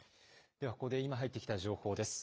ではここで、今入ってきた情報です。